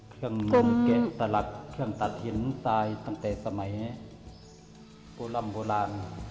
เครื่องนมแกะสลัดเครื่องตัดหินทรายตั้งแต่สมัยโบร่ำโบราณ